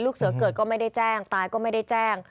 เสือเกิดก็ไม่ได้แจ้งตายก็ไม่ได้แจ้ง